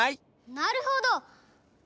なるほど！